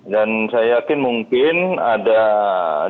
dan saya yakin mungkin ada di